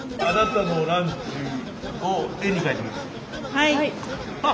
はい。